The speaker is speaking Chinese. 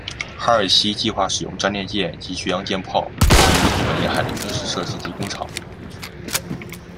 哈尔西计划使用战列舰及巡洋舰炮击日本沿海的军事设施及工厂。